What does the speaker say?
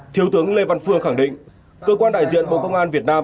thiếu tướng lê văn phương khẳng định cơ quan đại diện bộ công an việt nam